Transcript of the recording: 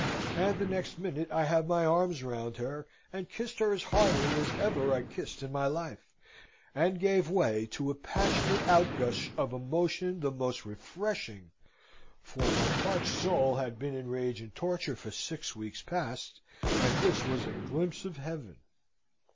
And the next minute I have my arms round her, and kissed her as heartily as ever I kissed in my life, and gave way to a passionate outgush of emotion the most refreshing, for my parched soul had been in rage and torture for six weeks past, and this was a glimpse of Heaven.